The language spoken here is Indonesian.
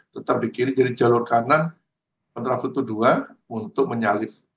tetap di kiri jadi jalur kanan kontrafuto dua untuk menyalip